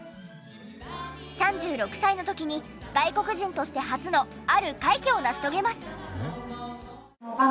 ３６歳の時に外国人として初のある快挙を成し遂げます。